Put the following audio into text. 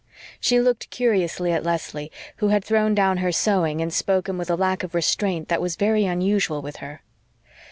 She looked curiously at Leslie, who had thrown down her sewing and spoken with a lack of restraint that was very unusual with her.